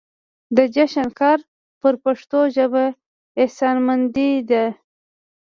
د جنبش کار پر پښتو ژبه احسانمندي ده.